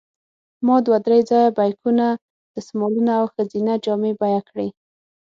ما دوه درې ځایه بیکونه، دستمالونه او ښځینه جامې بیه کړې.